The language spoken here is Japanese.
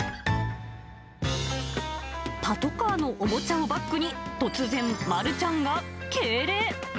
パトカーのおもちゃをバックに、突然、マルちゃんが敬礼。